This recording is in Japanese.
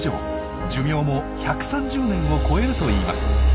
寿命も１３０年を超えるといいます。